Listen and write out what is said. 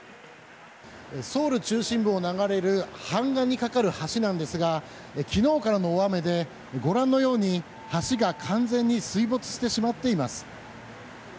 ソウル中心部を流れるハンガンに架かる橋なんですが昨日からの大雨で、ご覧のように橋が完全に水没してしまっています。